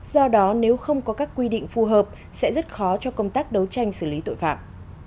do đó nếu không có các quy định phù hợp sẽ rất khó cho công tác đấu tranh xử lý tội phạm